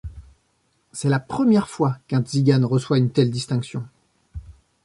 C'est la première fois qu'un Tsigane reçoit une telle distinction.